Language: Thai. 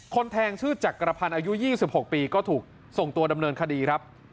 แทงชื่อจักรพันธ์อายุ๒๖ปีก็ถูกส่งตัวดำเนินคดีครับ